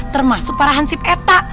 termasuk para hansip eta